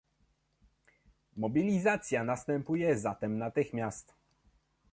Mobilizacja następuje zatem natychmiast